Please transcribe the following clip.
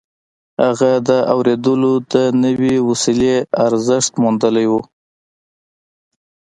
هغه د اورېدلو د نوې وسيلې ارزښت موندلی و.